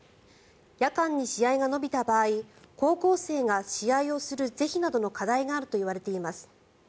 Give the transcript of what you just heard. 夜間に試合が延びた場合高校生が試合をする是非などの課題があるといわれています。